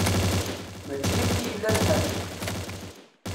Mačči akka i yella lḥal?